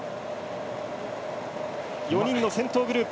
４人の先頭グループ。